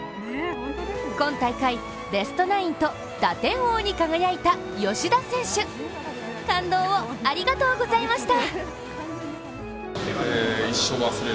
今大会、ベストナインと打点王に輝いた吉田選手、感動をありがとうございました。